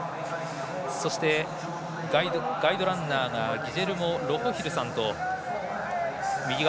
そして、ガイドランナーがギジェルモ・ロホヒルさん。